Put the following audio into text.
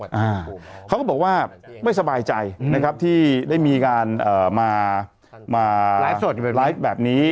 อ่าเขาก็บอกว่าไม่สบายใจนะครับที่ได้มีการเอ่อมามาไลฟ์สดไลฟ์แบบนี้